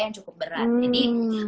yang cukup berat jadi